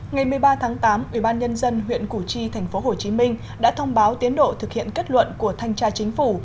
ngày một mươi ba tháng tám ubnd huyện củ chi tp hcm đã thông báo tiến độ thực hiện kết luận của thanh tra chính phủ